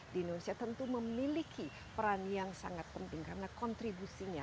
di indonesia tentu memiliki peran yang sangat penting karena kontribusinya